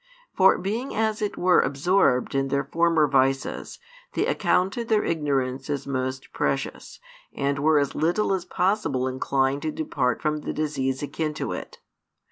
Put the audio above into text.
For being as it were absorbed in their former vices, they accounted their ignorance as most precious, and were as little as possible inclined to depart from the disease akin to it.